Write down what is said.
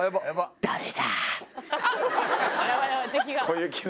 誰だ？